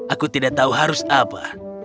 aku tidak tahu harus apa